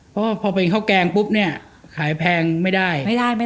เพราะว่าพอเป็นข้าวแกงปุ๊บเนี่ยขายแพงไม่ได้ไม่ได้